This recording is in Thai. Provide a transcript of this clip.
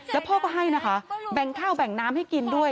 แล้วพ่อก็ให้นะคะแบ่งข้าวแบ่งน้ำให้กินด้วย